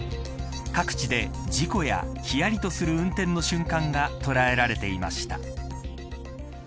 各地で事故や、ひやりとする運転の瞬間が捉えられていました。